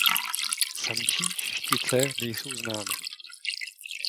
Samčí šištice nejsou známy.